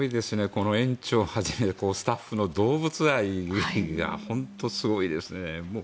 この園長はじめスタッフの動物愛が本当にすごいですね。